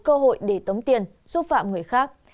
cơ hội để tống tiền xúc phạm người khác